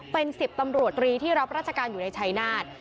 เป็น๑๐ตำรวจตรีที่รับราชการอยู่ในชายนาฏ